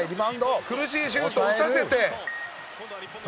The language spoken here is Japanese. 苦しいシュートを打たせて。